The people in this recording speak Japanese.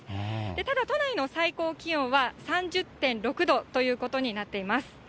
ただ、都内の最高気温は３０．６度ということになっています。